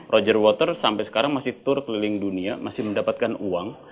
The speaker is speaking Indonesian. roger water sampai sekarang masih tour keliling dunia masih mendapatkan uang